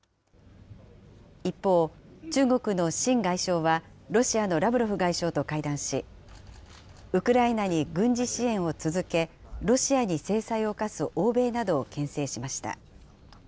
一方、中国の秦外相は、ロシアのラブロフ外相と会談し、ウクライナに軍事支援を続け、ロシアに制裁を科す欧米などをけん制しました。